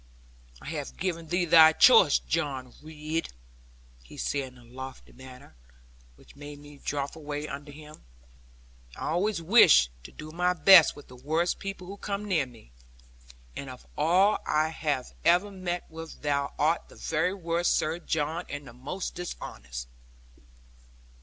'I have given thee thy choice, John Ridd,' he said in a lofty manner, which made me drop away under him; 'I always wish to do my best with the worst people who come near me. And of all I have ever met with thou art the very worst, Sir John, and the most dishonest.'